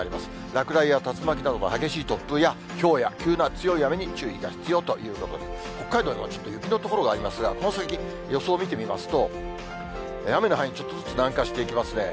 落雷や竜巻などの激しい突風や、ひょうや急な強い雨に注意が必要ということで、北海道にはちょっと雪の所がありますが、この先、予想見てみますと、雨の範囲、ちょっとずつ南下していきますね。